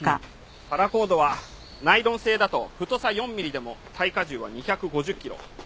パラコードはナイロン製だと太さ４ミリでも耐荷重は２５０キロ。